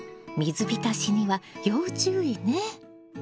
水浸しには要注意ね。